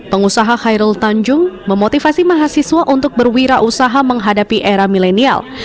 pengusaha khairul tanjung memotivasi mahasiswa untuk berwirausaha menghadapi era milenial